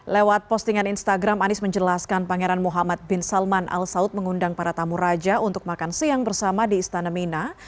lewat postingan instagram anies menjelaskan pangeran muhammad bin salman al saud mengundang para tamu raja untuk makan siang bersama di istana mina